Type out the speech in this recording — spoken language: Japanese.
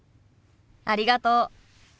ありがとう。